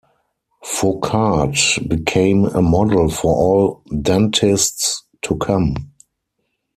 Fauchard became a model for all dentists to come.